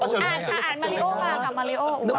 อ่าฉันอ่านมาเลโอมากับมาเลโอ